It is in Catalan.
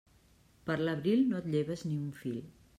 Per l'abril, no et lleves ni un fil.